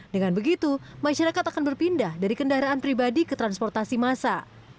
dengan begitu masyarakat akan berpindah dari kendaraan pribadi ke transportasi massa